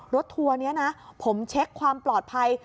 ทัวร์นี้นะผมเช็คความปลอดภัย